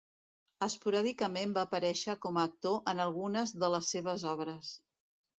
Esporàdicament va aparèixer com a actor en algunes de les seves obres.